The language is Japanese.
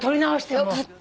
よかった。